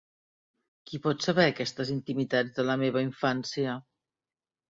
Qui pot saber aquestes intimitats de la meva infància?